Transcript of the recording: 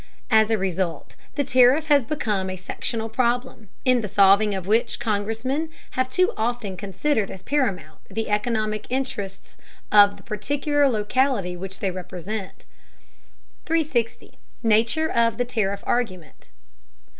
As a result, the tariff has become a sectional problem, in the solving of which Congressmen have too often considered as paramount the economic interests of the particular locality which they represent. 360. NATURE OF THE TARIFF ARGUMENT.